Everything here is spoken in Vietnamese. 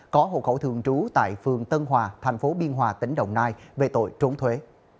có hộ khẩu thường trú tại phường tân hòa tp biên hòa tỉnh đồng nai về tội trốn thuế